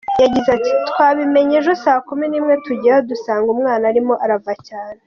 Yagize ati “Twabimenye ejo saa kumi n’imwe tujyayo dusanga umwana arimo arava cyane.